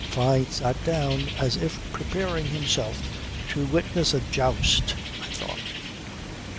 Fyne sat down as if preparing himself to witness a joust, I thought.